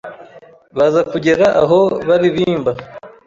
Baza kugera aho baririmba